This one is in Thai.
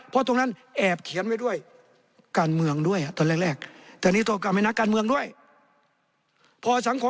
เพราะตรงนั้นแอบเขียนไว้ด้วยการเมืองด้วยตอนแรก